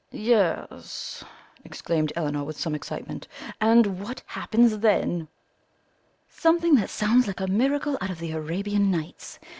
'" "Yes," exclaimed Elinor, with some excitement, "and what happens then?" "Something that sounds like a miracle out of the Arabian Nights.